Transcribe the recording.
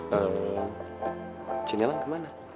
lalu cimelan kemana